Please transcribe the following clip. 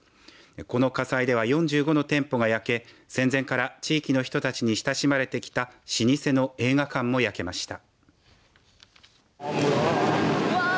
この火災では４５の店舗が焼け戦前から地域の人たちに親しまれてきた老舗の映画館も焼けました。